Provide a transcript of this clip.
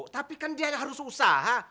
tapi kan dia harus usaha